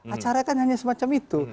acara kan hanya semacam itu